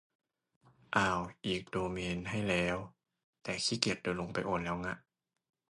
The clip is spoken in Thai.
อ่าว อีกโดเมนให้แล้ว แต่ขี้เกียจเดินลงไปโอนแล้วง่ะ